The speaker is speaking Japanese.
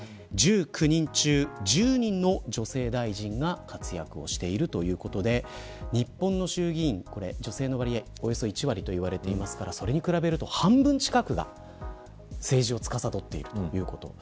１９人中１０人の女性大臣が活躍しているということで日本の衆議院女性の割合がおよそ１割といわれていますからそれに比べると、半分近くが政治を司っているということ。